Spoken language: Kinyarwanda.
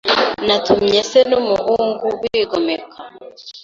Natumye se n'umuhungu bigomeka